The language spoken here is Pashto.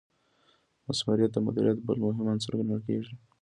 مثمریت د مدیریت بل مهم عنصر ګڼل کیږي.